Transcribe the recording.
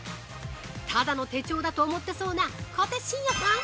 ただの手帳だと思ってそうな小手伸也さん！